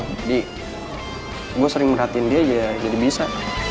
jadi gue sering ngeratiin dia aja jadi bisa